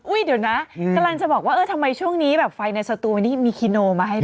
เดี๋ยวนะกำลังจะบอกว่าเออทำไมช่วงนี้แบบไฟในสตูไม่ได้มีคีโนมาให้เลย